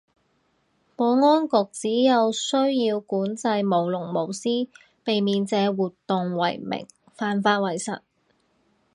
保安局指有需要管制舞龍舞獅，避免借活動為名犯法為實